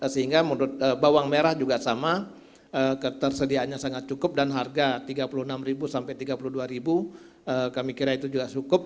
sehingga menurut bawang merah juga sama ketersediaannya sangat cukup dan harga rp tiga puluh enam sampai rp tiga puluh dua kami kira itu juga cukup